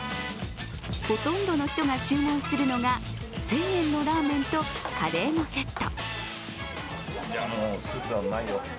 ほとんどの人が注文するのが１０００円のラーメンとカレーのセット。